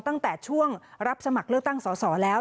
ตั้งแต่ช่วงรับสมัครเลือกตั้งสอสอแล้ว